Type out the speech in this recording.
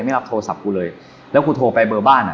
ไม่รับโทรศัพท์กูเลยแล้วกูโทรไปเบอร์บ้านอ่ะ